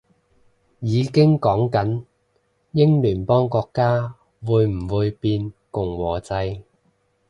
已經講緊英聯邦國家會唔會變共和制